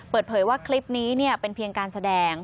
เปิดเผยว่าคลิปนี้เป็นเพียงการแสดง